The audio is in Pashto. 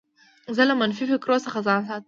زه له منفي فکرو څخه ځان ساتم.